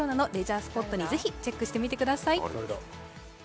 スポットに、ぜひチェックしてみてください。